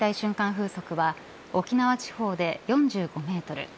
風速は沖縄地方で４５メートル